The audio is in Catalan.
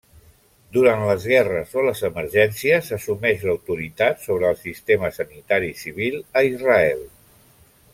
Durant les guerres o les emergències assumeix l'autoritat sobre el sistema sanitari civil a Israel.